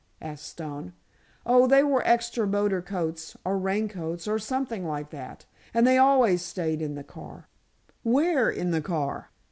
asked Stone. "Oh, they were extra motor coats, or raincoats, or something like that, and they always staid in the car." "Where, in the car?"